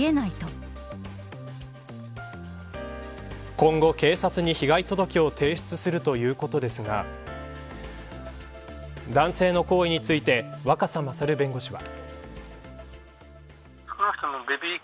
今後、警察に被害届を提出するということですが男性の行為について若狭勝弁護士は。